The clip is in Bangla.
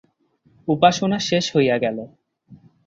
উপাসনা শেষ হইয়া গেল।